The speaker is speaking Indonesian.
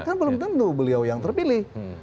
kan belum tentu beliau yang terpilih